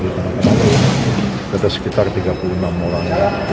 ada sekitar tiga puluh enam orang